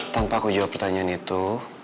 tanpa aku jawab pertanyaan itu